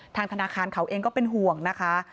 ธนาคารเขาเองก็เป็นห่วงนะคะ